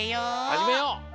はじめよう！